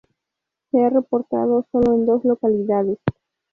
Se ha reportado solo en dos localidades.